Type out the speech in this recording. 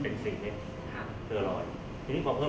มันประกอบกันแต่ว่าอย่างนี้แห่งที่